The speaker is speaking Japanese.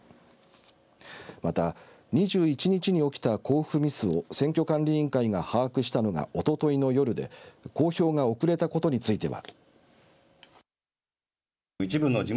また、２１日に起きた交付ミスを選挙管理委員会が把握したのがおとといの夜で公表が遅れたことについては。